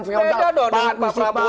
pak prabowo yang ketua partai